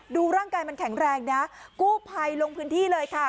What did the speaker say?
ดูร่างกายมันแข็งแรงนะกู้ภัยลงพื้นที่เลยค่ะ